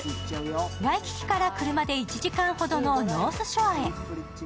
ワイキキから車で１時間ほどのノースショアへ。